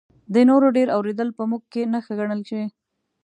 د نورو ډېر اورېدل په موږ کې نښه ګڼلی شي.